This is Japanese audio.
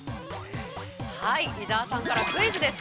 ◆はい、伊沢さんからクイズです。